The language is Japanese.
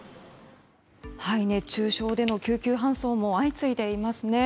熱中症での救急搬送も相次いでいますね。